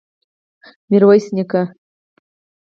ميرويس نيکه!